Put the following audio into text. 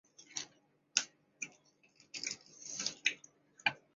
刺巢鼠属等之数种哺乳动物。